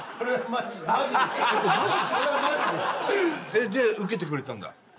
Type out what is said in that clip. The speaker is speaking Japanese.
で受けてくれたんだ？